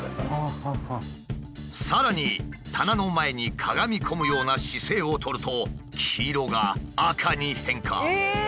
さらに棚の前にかがみ込むような姿勢を取ると黄色が赤に変化。